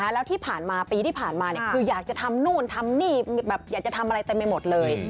แล้วที่ผ่านมาปีที่ผ่านมาคืออยากจะทำนู่นทำนี่แบบอยากจะทำอะไรเต็มไปหมดเลย